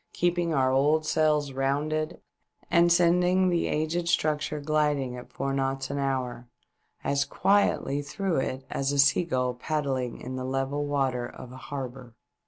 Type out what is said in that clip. keeping our old sails rounded, and sending the aged structure gliding at four knots an hour as quietly through it as a seagull paddling In the level water of an harbour.